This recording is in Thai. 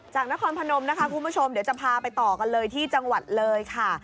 นครพนมนะคะคุณผู้ชมเดี๋ยวจะพาไปต่อกันเลยที่จังหวัดเลยค่ะ